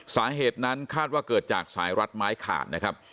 สาเหตุนั้นคาดว่าเกิดจากสายรัดไม้ขาดนะครับ